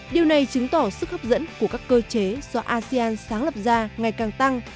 điều này chứng tỏ sức hấp dẫn của các cơ chế do asean sáng lập ra ngày càng tăng